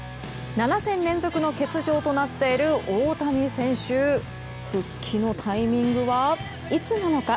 ７戦連続の欠場となっている大谷選手復帰のタイミングはいつなのか。